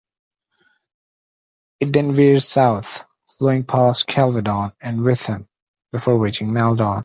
It then veers south, flowing past Kelvedon and Witham, before reaching Maldon.